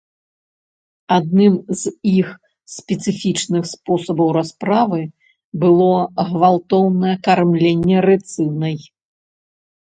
Адным з іх спецыфічных спосабаў расправы было гвалтоўнае кармленне рыцынай.